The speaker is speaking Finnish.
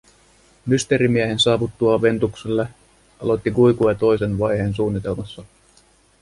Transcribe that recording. Mysteerimiehen saavuttua Ventukselle aloitti Quique toisen vaiheen suunnitelmassa.